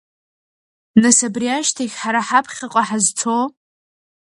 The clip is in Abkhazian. Нас абри ашьҭахь ҳара ҳаԥхьаҟа ҳазцоо?!